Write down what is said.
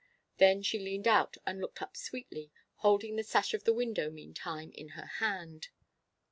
Then she leaned out and looked up sweetly, holding the sash of the window meantime in her hand.